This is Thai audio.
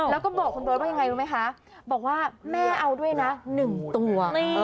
แล้วก็บอกคุณเบิร์ตว่ายังไงรู้ไหมคะบอกว่าแม่เอาด้วยนะ๑ตัว